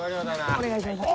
お願いします。